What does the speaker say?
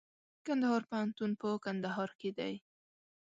کندهار پوهنتون په کندهار کي دئ.